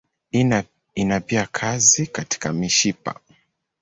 Ina pia kazi katika mishipa.